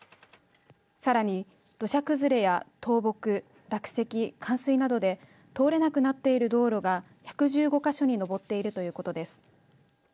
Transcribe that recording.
さらに土砂崩れや倒木落石、冠水などで通れなくなっている道路が１１５か所に上っているということです。